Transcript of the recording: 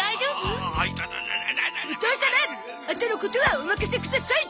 あとのことはお任せください！